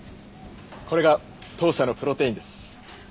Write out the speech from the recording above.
これが当社のプロテインです。